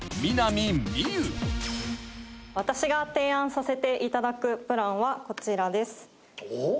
私が提案させていただくプランはこちらです。